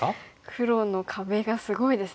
黒の壁がすごいですね。